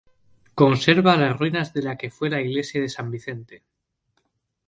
Conserva las ruinas de la que fue la iglesia de San Vicente.